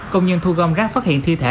công nhân thu gom rác phát hiện thi thể